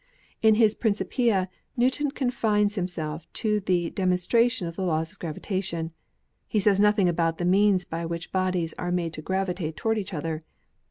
In his Trincipia' Newton confines himself to the demon stration of the laws of gravitation. He says nothing about the means by which bodies are made to gravitate toward each other.